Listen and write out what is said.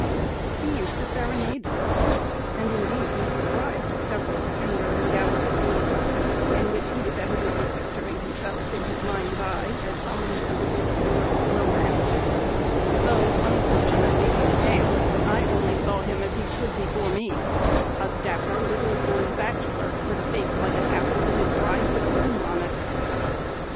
He used to serenade her; and indeed he described several tender and gallant scenes, in which he was evidently picturing himself in his mind's eye as some elegant hero of romance, though, unfortunately for the tale, I only saw him as he stood before me, a dapper little old bachelor, with a face like an apple that has dried with the bloom on it.